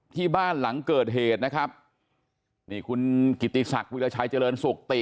ที่บ้านหลังเกิดเหตุนะครับนี่คุณกิติศักดิ์วิราชัยเจริญสุขติ